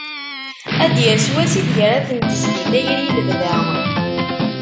Ad d-yas wass ideg ara ten-tezdi tayri i lebda.